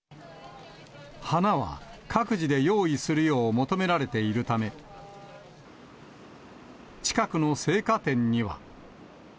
花は各自で用意するよう求められているため、近くの生花店には。